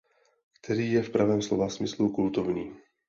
Který je v pravém slova smyslu kultovní.